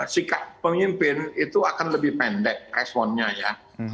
sikap pemimpin itu akan lebih pendek responnya ya